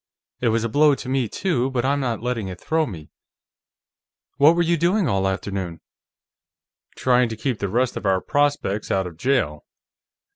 It was a blow to me, too, but I'm not letting it throw me.... What were you doing all afternoon?" "Trying to keep the rest of our prospects out of jail.